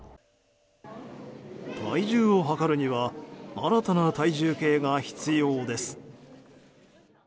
体重を測るには新たな体重計が必要です。